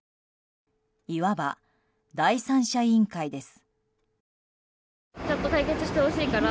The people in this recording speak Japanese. いわば第三者委員会です。